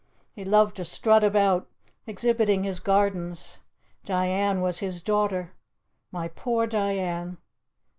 He loved to strut about exhibiting his gardens. Diane was his daughter my poor Diane!